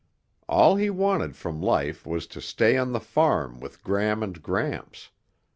All he wanted from life was to stay on the farm with Gram and Gramps.